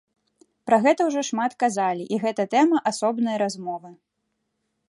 Пра гэта ўжо шмат казалі, і гэта тэма асобнай размовы.